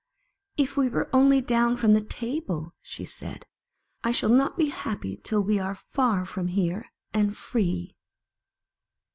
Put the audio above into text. "If we were only down from the table," said she. " I shall not be happy till we are far from here, and free."